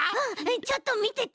ちょっとみてて！